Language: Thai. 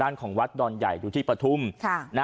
ด้านของวัดดอนใหญ่อยู่ที่ปฐมฟ์